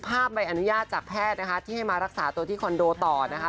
ภาพใบอนุญาตจากแพทย์ที่ให้มารักษาตัวที่คอนโดต่อ